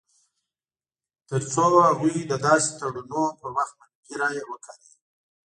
تر څو هغوی د داسې تړونونو پر وخت منفي رایه وکاروي.